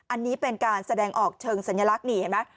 อันนี้เป็นการแสดงออกเชิงสัญลักษณ์